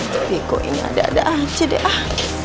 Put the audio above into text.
tapi kok ini ada ada aja deh ah